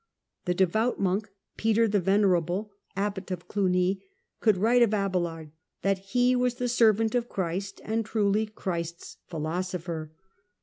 The devout monk Peter the Venerable, Abbot of Cluny, could write of Abelard that he was " the servant of Christ and truly Christ's philosopher."